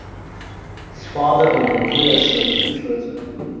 His father owned Meyerson insurance company.